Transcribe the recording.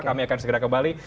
kami akan segera kembali